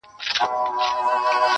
نن دي سترګي سمي دمي میکدې دي ,